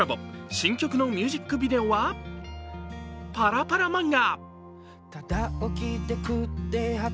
新曲のミュージックビデオはパラパラ漫画。